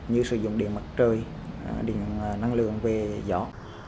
như sử dụng điện mặt trời điện năng lượng về gió